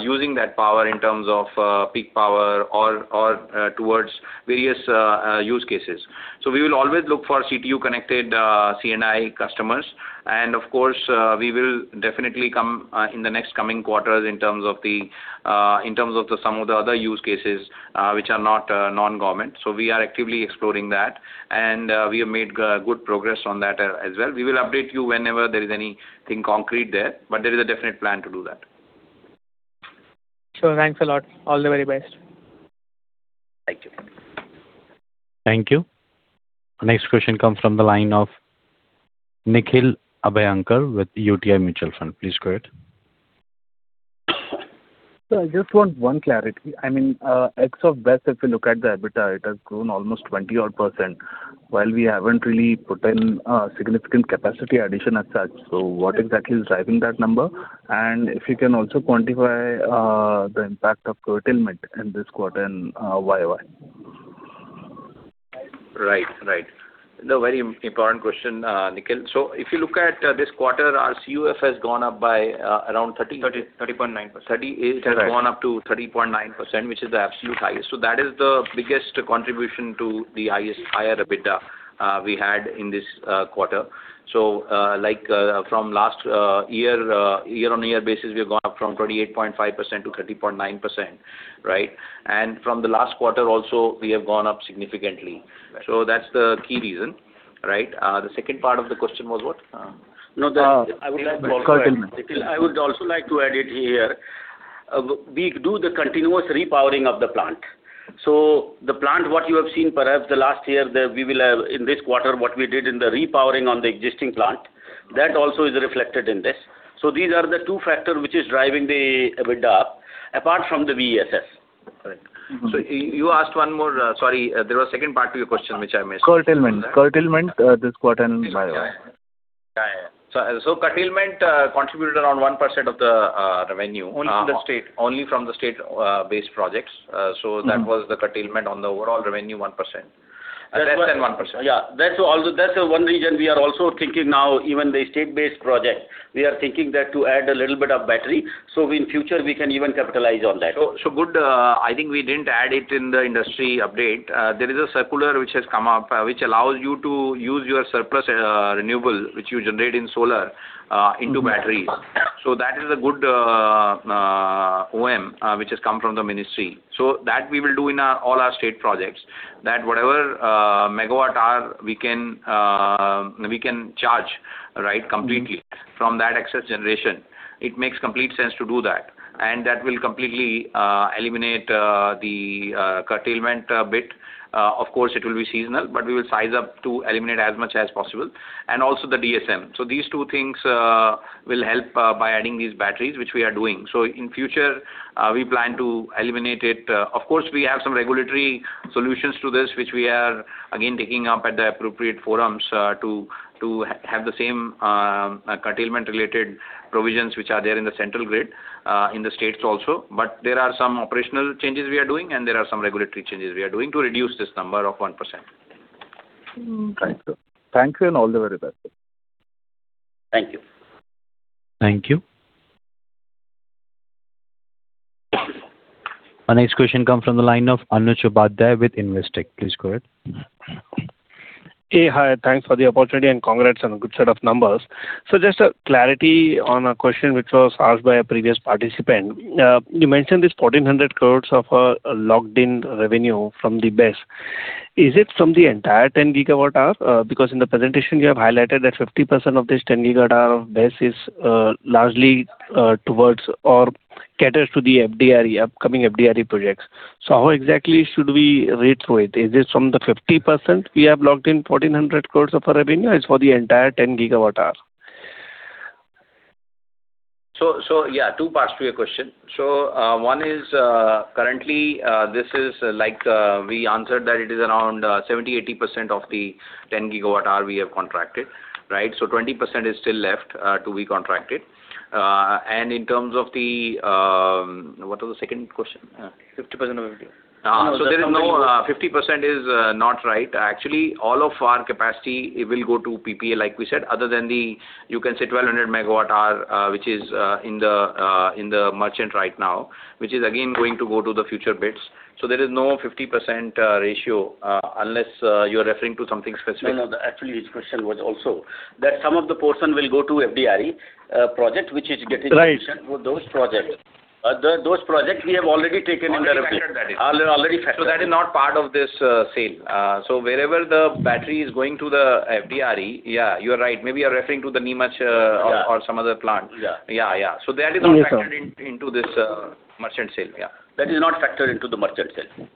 using that power in terms of peak power or towards various use cases. We will always look for CTU-connected C&I customers, of course, we will definitely come in the next coming quarters in terms of some of the other use cases, which are non-government. We are actively exploring that, and we have made good progress on that as well. We will update you whenever there is anything concrete there is a definite plan to do that. Sure. Thanks a lot. All the very best. Thank you. Thank you. Our next question comes from the line of Nikhil Abhyankar with UTI Mutual Fund. Please go ahead. Sir, I just want one clarity. I mean, ex of BESS, if you look at the EBITDA, it has grown almost 20 odd percent, while we haven't really put in a significant capacity addition as such. What exactly is driving that number? And if you can also quantify the impact of curtailment in this quarter and YoY. Right. No, very important question, Nikhil. If you look at this quarter, our CUF has gone up by around 30- 30.9%. 30. It has gone up to 30.9%, which is the absolute highest. That is the biggest contribution to the higher EBITDA we had in this quarter. From last year-on-year basis, we have gone up from 28.5% to 30.9%. From the last quarter also, we have gone up significantly. That's the key reason. The second part of the question was what? No, the curtailment. I would also like to add it here. We do the continuous repowering of the plant. The plant, what you have seen perhaps the last year, in this quarter, what we did in the repowering on the existing plant, that also is reflected in this. These are the two factors which is driving the EBITDA, apart from the BESS. Correct. You asked one more. Sorry, there was a second part to your question, which I missed. Curtailment this quarter and YoY. Curtailment contributed around 1% of the revenue. Only from the state. Only from the state-based projects. That was the curtailment on the overall revenue, 1%. That's then 1%. That's one reason we are also thinking now, even the state-based project, we are thinking that to add a little bit of battery, so in future we can even capitalize on that. Good. I think we didn't add it in the industry update. There is a circular which has come up, which allows you to use your surplus renewable, which you generate in solar, into batteries. That is a good OM, which has come from the ministry. That we will do in all our state projects. That whatever megawatt hour we can charge completely from that excess generation, it makes complete sense to do that. That will completely eliminate the curtailment bit. Of course, it will be seasonal, but we will size up to eliminate as much as possible. Also the DSM. These two things will help by adding these batteries, which we are doing. In future, we plan to eliminate it. Of course, we have some regulatory solutions to this, which we are, again, taking up at the appropriate forums, to have the same curtailment-related provisions which are there in the central grid, in the states also. There are some operational changes we are doing, and there are some regulatory changes we are doing to reduce this number of 1%. Thank you. Thank you, and all the very best. Thank you. Thank you. Our next question comes from the line of Anuj Bhardwaj with Investec. Please go ahead. Hey. Hi, thanks for the opportunity, and congrats on a good set of numbers. Just a clarity on a question which was asked by a previous participant. You mentioned this 1,400 crores of locked-in revenue from the BESS. Is it from the entire 10 GWh? Because in the presentation, you have highlighted that 50% of this 10 GWh BESS is largely towards or caters to the FDRE, upcoming FDRE projects. How exactly should we read through it? Is this from the 50% we have locked in 1,400 crores of our revenue? It is for the entire 10 GWh. Yeah, two parts to your question. One is, currently this is like we answered that it is around 70%-80% of the 10 GWh we have contracted. 20% is still left to be contracted. What was the second question? 50% of FDRE. There is no 50% is not right. Actually, all of our capacity will go to PPA, like we said, other than the, you can say 1,200 MWh, which is in the merchant right now, which is again going to go to the future bids. There is no 50% ratio, unless you're referring to something specific. No, actually this question was also that some of the portion will go to FDRE project, which is getting. Right commissioned for those projects. Those projects we have already taken into our bid. Already factored that in. Already factored. That is not part of this sale. Wherever the battery is going to the FDRE, yeah, you're right. Maybe you're referring to the Neemuch or some other plant. Yeah. Yeah. That is not. Okay, sir. factored into this merchant sale. Yeah. That is not factored into the merchant sale.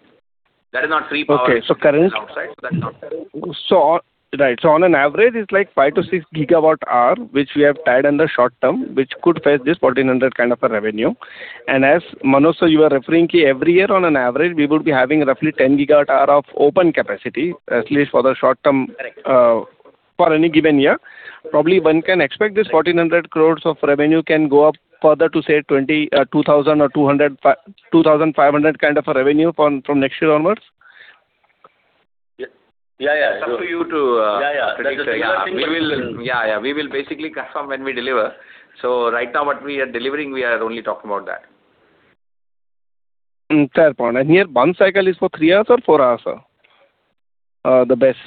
That is not three power. Okay. Outside. Right. On an average, it's 5 GWh to 6 GWh, which we have tied in the short-term, which could face this 1,400 kind of a revenue. As Manoj, sir, you are referring every year on an average, we would be having roughly 10 GWh of open capacity, at least for the short-term. Correct for any given year. Probably one can expect this 1,400 crore of revenue can go up further to say 2,000 or 2,500 kind of a revenue from next year onwards. Yeah. It's up to you. Yeah. That's a different thing. predict. Yeah. We will. Yeah. We will basically confirm when we deliver. Right now what we are delivering, we are only talking about that. Fair point. Here, one cycle is for three hours or four hours? The BESS.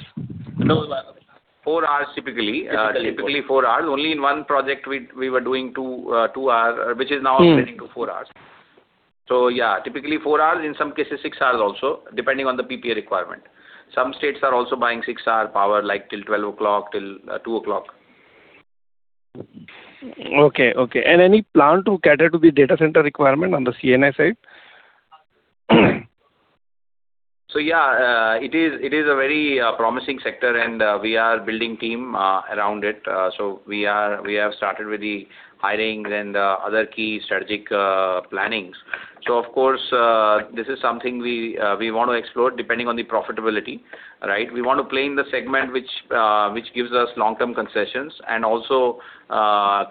Four hours, typically. Typically four hours. Only in one project we were doing two hour, which is now extended to four hours. Yeah, typically four hours, in some cases six hours also, depending on the PPA requirement. Some states are also buying six-hour power, like till 12 o'clock, till 2 o'clock. Okay. Any plan to cater to the data center requirement on the C&I side? Yeah, it is a very promising sector and we are building team around it. We have started with the hiring and other key strategic plannings. Of course, this is something we want to explore depending on the profitability. We want to play in the segment which gives us long-term concessions and also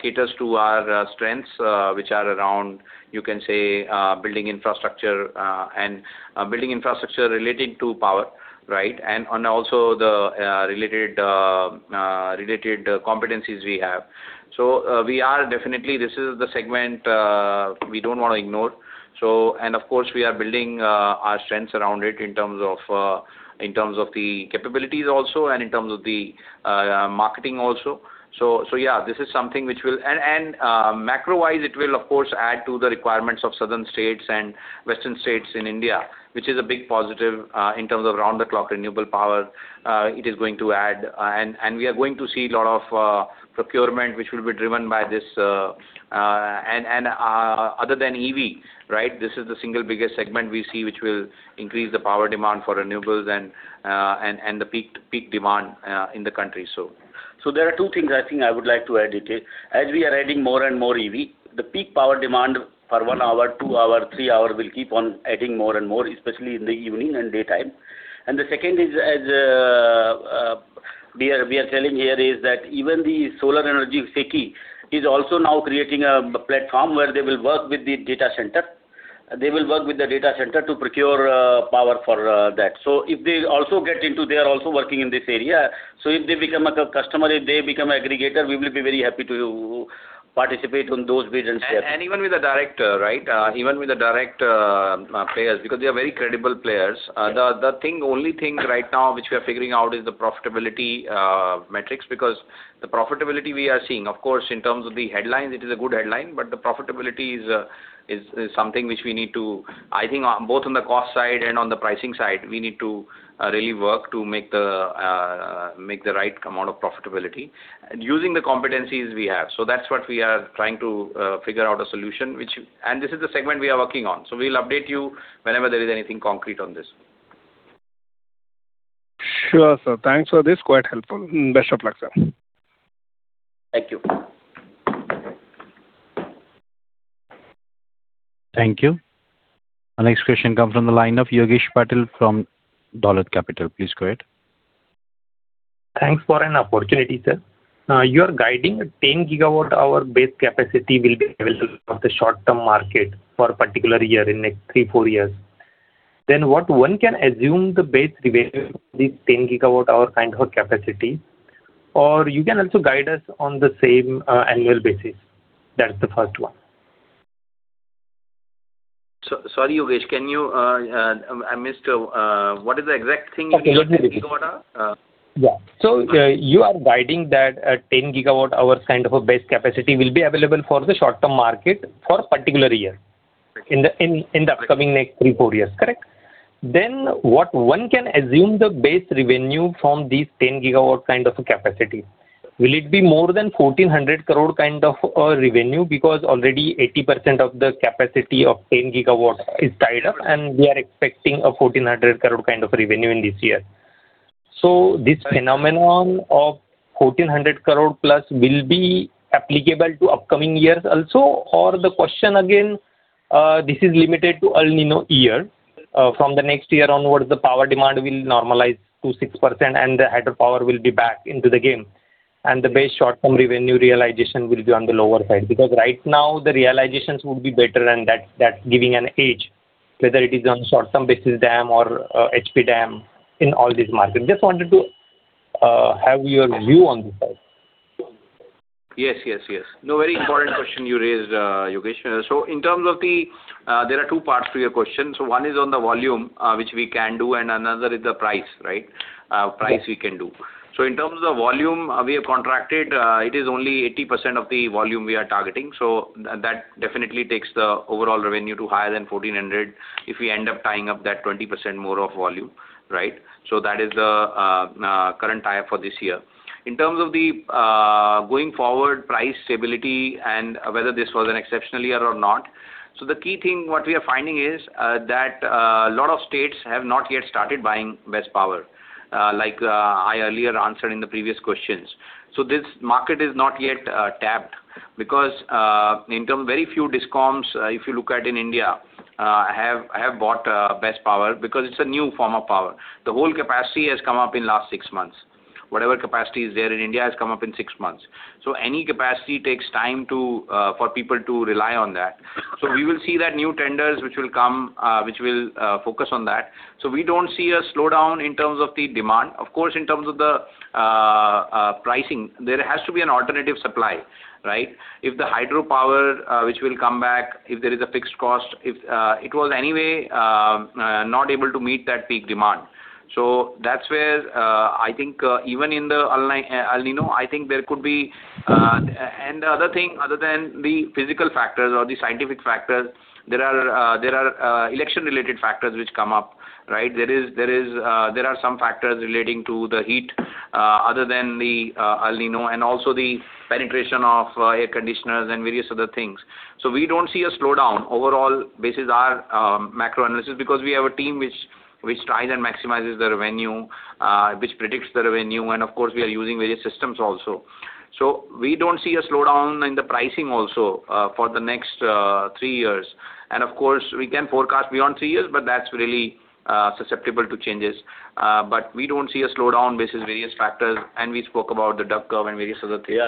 caters to our strengths, which are around, you can say, building infrastructure, and building infrastructure related to power. Also the related competencies we have. We are definitely, this is the segment, we don't want to ignore. Of course, we are building our strengths around it in terms of the capabilities also, and in terms of the marketing also. Yeah, this is something which will macro-wise, it will of course add to the requirements of southern states and western states in India, which is a big positive, in terms of round-the-clock renewable power, it is going to add. We are going to see lot of procurement, which will be driven by this. Other than EV, this is the single biggest segment we see which will increase the power demand for renewables and the peak demand in the country. There are two things I think I would like to add into. As we are adding more and more EV, the peak power demand for one hour, two hour, three hour will keep on adding more and more, especially in the evening and daytime. The second is We are telling here is that even the solar energy SECI is also now creating a platform where they will work with the data center. They will work with the data center to procure power for that. If they also get into, they are also working in this area. If they become a customer, if they become aggregator, we will be very happy to participate on those bids and share. Even with the direct players, because they are very credible players. The only thing right now which we are figuring out is the profitability metrics. The profitability we are seeing, of course, in terms of the headlines, it is a good headline, but the profitability is something which we need to, I think, both on the cost side and on the pricing side, we need to really work to make the right amount of profitability and using the competencies we have. That's what we are trying to figure out a solution, and this is the segment we are working on. We'll update you whenever there is anything concrete on this. Sure, sir. Thanks for this. Quite helpful. Best of luck, sir. Thank you. Thank you. Our next question comes from the line of Yogesh Patil from Dolat Capital. Please go ahead. Thanks for an opportunity, sir. You are guiding that 10 GWh base capacity will be available for the short-term market for a particular year in next three, four years. What one can assume the base revenue, the 10 GWh kind of capacity? You can also guide us on the same annual basis. That's the first one. Sorry, Yogesh. I missed. What is the exact thing? 10 GWh? Yeah. You are guiding that a 10 GWh kind of a base capacity will be available for the short-term market for a particular year. In the upcoming next three, four years, correct? What one can assume the base revenue from these 10 GW kind of capacity? Will it be more than 1,400 crore kind of a revenue? Already 80% of the capacity of 10 GW is tied up, and we are expecting a 1,400 crore kind of revenue in this year. This phenomenon of 1,400 crore+ will be applicable to upcoming years also? The question again, this is limited to El Niño year. From the next year onwards, the power demand will normalize to 6% and the hydropower will be back into the game, and the base short-term revenue realization will be on the lower side. Right now the realizations would be better and that's giving an edge, whether it is on short-term basis DAM or HP-TAM in all this market. Just wanted to have your view on this side. Yes. No, very important question you raised, Yogesh. There are two parts to your question. One is on the volume, which we can do, and another is the price. Yes. Price we can do. In terms of volume we have contracted, it is only 80% of the volume we are targeting. That definitely takes the overall revenue to higher than 1,400 if we end up tying up that 20% more of volume. That is the current tie-up for this year. In terms of the going forward price stability and whether this was an exceptional year or not. The key thing, what we are finding is that a lot of states have not yet started buying BESS power. Like I earlier answered in the previous questions. This market is not yet tapped because in term very few DISCOMs, if you look at in India, have bought BESS power because it's a new form of power. The whole capacity has come up in last six months. Whatever capacity is there in India has come up in six months. Any capacity takes time for people to rely on that. We will see that new tenders which will come, which will focus on that. We don't see a slowdown in terms of the demand. Of course, in terms of the pricing, there has to be an alternative supply. If the hydropower, which will come back, if there is a fixed cost. It was anyway not able to meet that peak demand. That's where, I think even in the El Niño. The other thing, other than the physical factors or the scientific factors, there are election-related factors which come up. There are some factors relating to the heat, other than the El Niño, and also the penetration of air conditioners and various other things. We don't see a slowdown. Overall, this is our macro analysis because we have a team which tries and maximizes the revenue, which predicts the revenue, and of course, we are using various systems also. We don't see a slowdown in the pricing also for the next three years. Of course, we can forecast beyond three years, but that's really susceptible to changes. We don't see a slowdown based on various factors, and we spoke about the duck curve and various other things.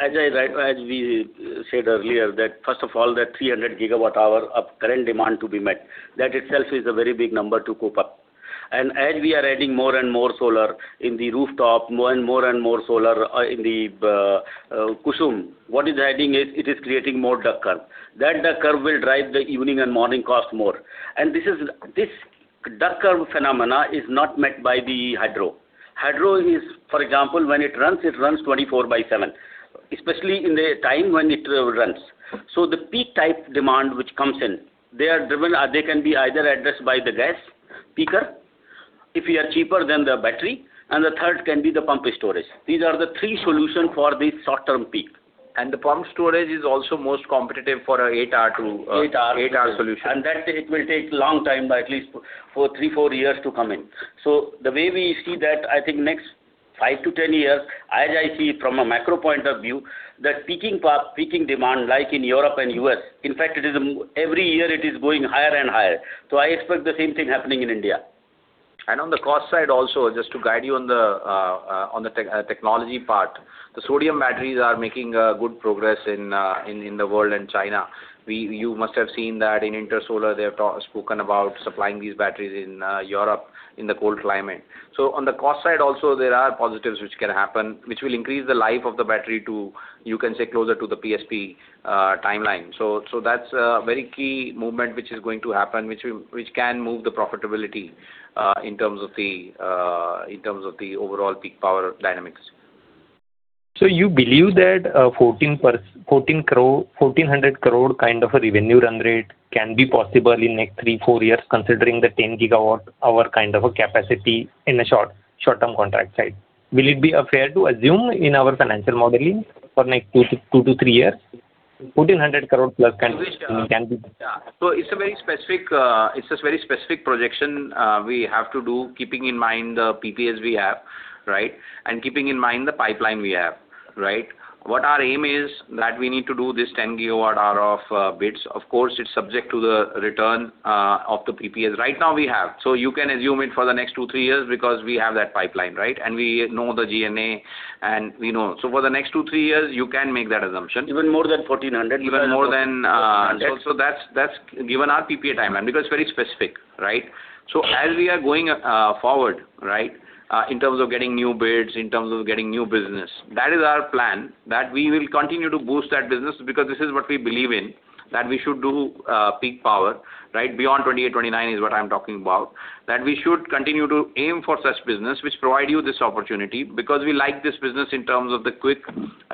As we said earlier, that first of all, that 300 GWh of current demand to be met, that itself is a very big number to cope up. As we are adding more and more solar in the rooftop, more and more solar in the Kusum, what is adding is, it is creating more duck curve. That duck curve will drive the evening and morning cost more. This duck curve phenomena is not met by the hydro. Hydro is, for example, when it runs, it runs 24/7, especially in the time when it runs. The peak type demand which comes in, they can be either addressed by the gas peaker, if we are cheaper than the battery, and the third can be the pump storage. These are the three solution for the short-term peak. The pump storage is also most competitive for a eight-hour solution. That it will take long time, at least three, four years to come in. The way we see that, I think next five to 10 years, as I see from a macro point of view, that peaking demand, like in Europe and U.S., in fact, every year it is going higher and higher. I expect the same thing happening in India. On the cost side also, just to guide you on the technology part, the sodium batteries are making good progress in the world and China. You must have seen that in Intersolar, they have spoken about supplying these batteries in Europe in the cold climate. On the cost side also, there are positives which can happen, which will increase the life of the battery to, you can say, closer to the PSP timeline. That's a very key movement which is going to happen, which can move the profitability in terms of the overall peak power dynamics. You believe that 1,400 crore kind of a revenue run rate can be possible in next three, four years considering the 10 GWh capacity in the short-term contract side? Will it be fair to assume in our financial modeling for next two to three years? INR 1,400 crore+ can be- It's a very specific projection we have to do, keeping in mind the PPAs we have, right? Keeping in mind the pipeline we have, right? What our aim is, that we need to do this 10 GWh of bids. Of course, it's subject to the return of the PPAs right now we have. You can assume it for the next two, three years because we have that pipeline, right? We know the DNA, and we know. For the next two, three years, you can make that assumption. Even more than 1,400? That's given our PPA timeline, because it's very specific, right? As we are going forward, right, in terms of getting new bids, in terms of getting new business, that is our plan. We will continue to boost that business because this is what we believe in. We should do peak power, right, beyond 28, 29 is what I'm talking about. We should continue to aim for such business, which provide you this opportunity. We like this business in terms of the quick,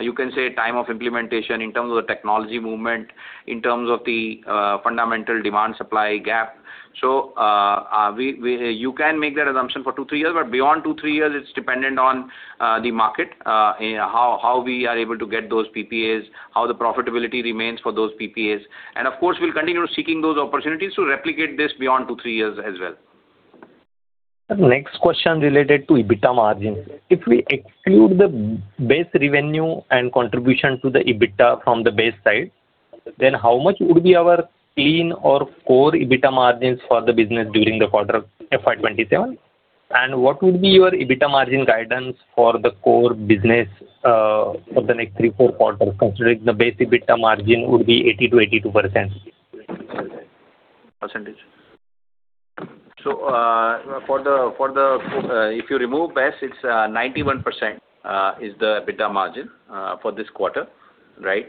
you can say, time of implementation, in terms of the technology movement, in terms of the fundamental demand-supply gap. You can make that assumption for two, three years. Beyond two, three years, it's dependent on the market, how we are able to get those PPAs, how the profitability remains for those PPAs. Of course, we'll continue seeking those opportunities to replicate this beyond two, three years as well. Next question related to EBITDA margins. If we exclude the base revenue and contribution to the EBITDA from the base side, then how much would be our clean or core EBITDA margins for the business during the quarter FY 2027? What would be your EBITDA margin guidance for the core business for the next three, four quarters, considering the base EBITDA margin would be 80%-82%? If you remove base, it's 91% is the EBITDA margin for this quarter. Right?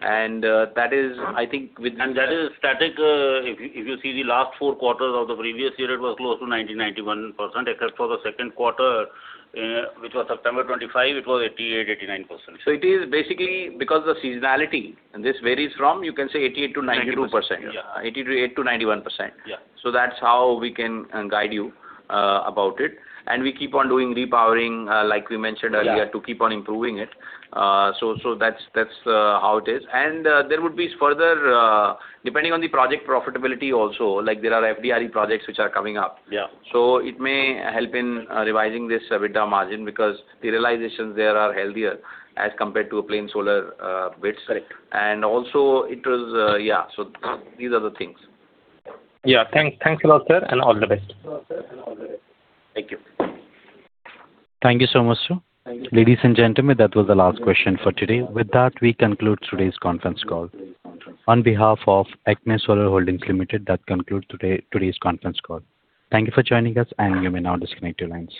That is, I think. That is static. If you see the last four quarters of the previous year, it was close to 90%-91%, except for the second quarter, which was September 25, it was 88%-89%. It is basically because of seasonality. This varies from, you can say, 88%-92%. Yeah. 88%-91%. Yeah. That's how we can guide you about it. We keep on doing repowering, like we mentioned earlier. Yeah To keep on improving it. That's how it is. There would be further, depending on the project profitability also, like there are FDRE projects which are coming up. Yeah. It may help in revising this EBITDA margin because the realizations there are healthier as compared to a plain solar bids. Correct. Also, it was Yeah. These are the things. Yeah. Thanks a lot, sir, and all the best. Thank you. Thank you so much, sir. Ladies and gentlemen, that was the last question for today. With that, we conclude today's conference call. On behalf of ACME Solar Holdings Limited, that concludes today's conference call. Thank you for joining us, and you may now disconnect your lines.